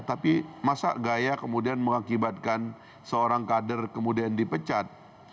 tapi masa gaya kemudian mengakibatkan seorang kader kemudian dipecat